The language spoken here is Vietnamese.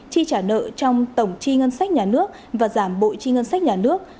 chi trả nợ trong tổng chi ngân sách nhà nước và giảm bội chi ngân sách nhà nước